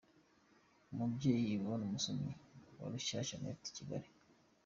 Umubyeyi Yvonne umusomyi wa Rushyashya.net i Kigali